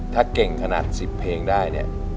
ถ้าเก่งขนาด๑๐เพลงได้เนี่ย